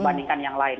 dibandingkan yang lain